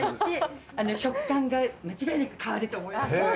食感が間違いなく変わると思います。